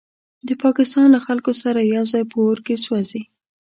د پاکستان له خلکو سره یوځای په اور کې سوځي.